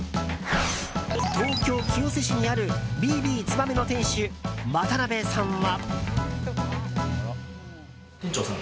東京・清瀬市にあるＢＢつばめの店主・渡邉さんは。